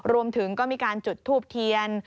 รวมถึงก็มีการจุดทูบเทียน